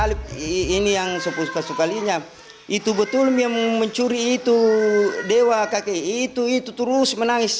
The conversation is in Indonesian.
itu betul yang mencuri itu dewa kakek itu itu terus menangis